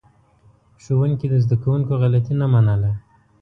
ښوونکي د زده کوونکو غلطي نه منله.